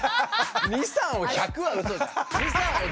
２３を１００はうそじゃん。